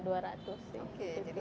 kenapa titik leleh untuk plastik